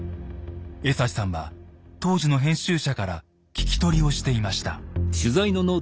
江刺さんは当時の編集者から聞き取りをしていました。